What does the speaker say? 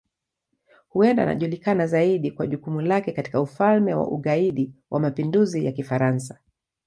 Huenda anajulikana zaidi kwa jukumu lake katika Ufalme wa Ugaidi wa Mapinduzi ya Kifaransa.